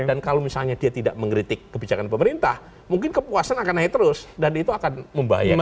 karena kalau misalnya dia tidak mengkritik kebijakan pemerintah mungkin kepuasan akan naik terus dan itu akan membahayakan juga